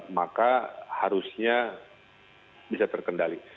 maka harusnya bisa terkendali